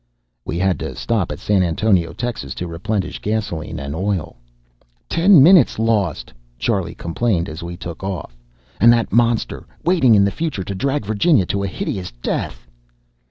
We had to stop at San Antonio, Texas, to replenish gasoline and oil. "Ten minutes lost!" Charlie complained as we took off. "And that monster waiting in the future to drag Virginia to a hideous death!"